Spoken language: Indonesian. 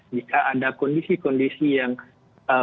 jika ada kondisi kondisi yang bisa berpotensi